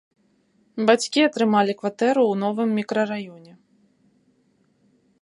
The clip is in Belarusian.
Бацькі атрымалі кватэру ў новым мікрараёне.